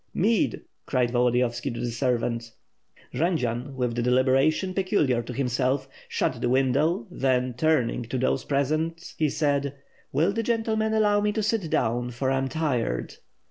"Mead!" cried Volodiyovski to the servant. Jendzian, with the deliberation peculiar to himself, shut the window; then, turning to those present, he said: "Will the gentlemen allow me to sit down, for I am tired?"